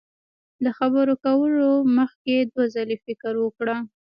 له خبرو کولو مخ کي دوه ځلي فکر وکړه